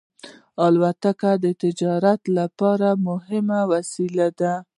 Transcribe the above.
الوتکه د تجارت لپاره مهمه وسیله ده.